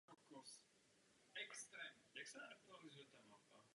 A rovněž do řady populárních knih.